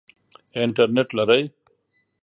انټرنټ لرئ؟